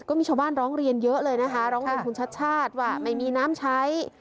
ก็มีชาวบ้านร้องเรียนเยอะเลยนะคะร้องเรียนคุณชัดชาติว่าไม่มีน้ำใช้